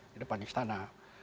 di depan istana